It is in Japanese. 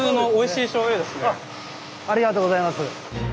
ありがとうございます。